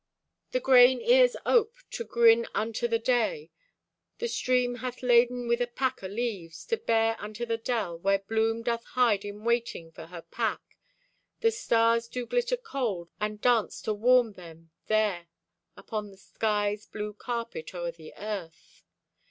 The grain ears ope, to grin unto the day. The stream hath laden with a pack o' leaves To bear unto the dell, where bloom Doth hide in waiting for her pack. The stars do glitter cold, and dance to warm them There upon the sky's blue carpet o'er the earth.